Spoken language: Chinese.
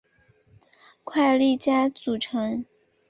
快利佳组成。